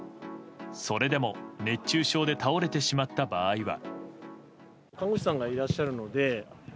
それでも、熱中症で倒れてしまった場合は。